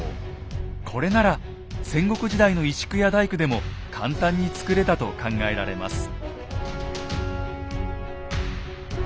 これなら戦国時代の石工や大工でも簡単に作れたと考えられます。